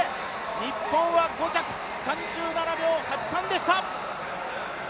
日本は５着、３７秒８３でした。